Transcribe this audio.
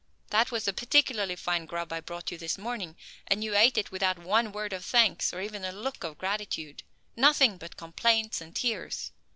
That was a particularly fine grub I brought you this morning, and you ate it without one word of thanks, or even a look of gratitude. Nothing but complaints and tears!